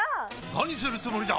何するつもりだ！？